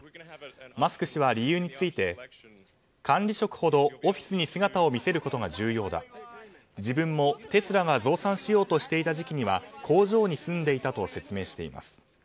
マスク氏は理由について管理職ほどオフィスに姿を見せることが重要だ自分もテスラが増産しようとしていた時期には工場に住んでいたと説明しています。